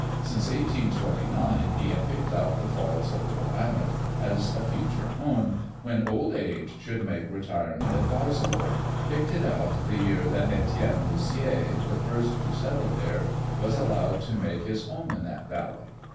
Since 1829 he had picked out the falls of the Willamette as a fu ture home, when old age should make retirement advisable — picked it out the 3rear that Etienne Lucier, the first to settle there, was al lowed to make his home in that valley.